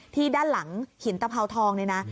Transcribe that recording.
ที่ด้านหลังหินตะเพาทองนี่นะ